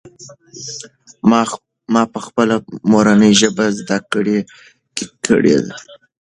ما پخپله مورنۍ ژبه زده کړه کړې ده.